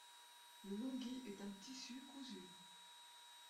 Le longhi est un tissu cousu.